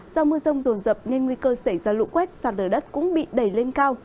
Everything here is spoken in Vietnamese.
do mưa rông rồn rập nên nguy cơ xảy ra lũ quét sạt lở đất cũng bị đẩy lên cao